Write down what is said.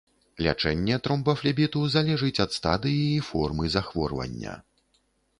Лячэнне тромбафлебіту залежыць ад стадыі і формы захворвання.